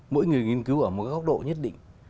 mỗi người nghiên cứu ở một cái góc độ nhất định